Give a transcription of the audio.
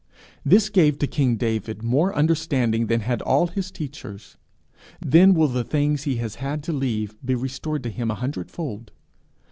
This gave to king David more understanding than had all his teachers. Then will the things he has had to leave, be restored to him a hundred fold.